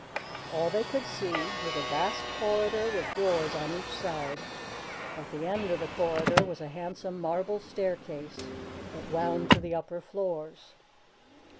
All they could see was a vast corridor with doors on each side. At the end of the corridor was a handsome marble staircase that wound to the upper floors.